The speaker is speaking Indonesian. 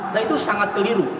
nah itu sangat keliru